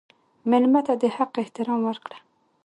مېلمه ته د حق احترام ورکړه.